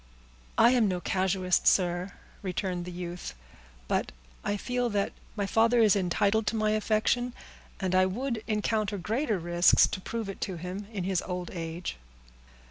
"I am no casuist, sir," returned the youth; "but I feel that my father is entitled to my affection, and I would encounter greater risks to prove it to him in his old age."